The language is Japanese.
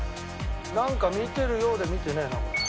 なんか見てるようで見てねえなこれ。